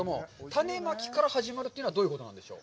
種まきから始まるというのはどういうことでしょう？